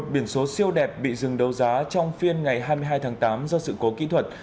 một biển số siêu đẹp bị dừng đấu giá trong phiên ngày hai mươi hai tháng tám do sự cố kỹ thuật